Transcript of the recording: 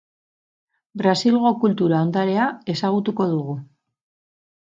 Brasilgo kultura ondarea ezagutuko dugu.